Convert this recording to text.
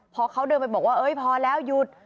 พอเขาเดินไปบอกว่าพอแล้วหยุด